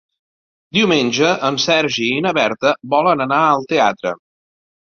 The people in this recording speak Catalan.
Diumenge en Sergi i na Berta volen anar al teatre.